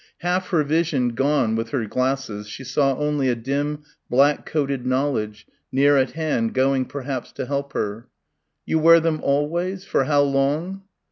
Half her vision gone with her glasses, she saw only a dim black coated knowledge, near at hand, going perhaps to help her. "You wear them always for how long?